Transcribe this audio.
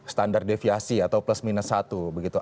standar deviasi atau plus minus satu begitu